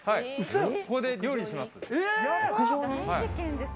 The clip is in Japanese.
ここで料理します。